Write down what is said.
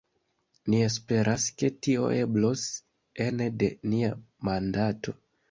Ni esperas ke tio eblos ene de nia mandato.